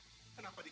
saya sudah menolak